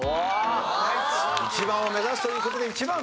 一番を目指すという事で１番。